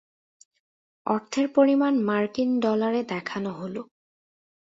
অর্থের পরিমাণ মার্কিন ডলার-এ দেখানো হলো।